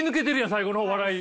最後の方笑い。